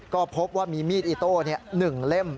ก็พบว่ามีมีดอิโต้เนี่ยหนึ่งเล่ม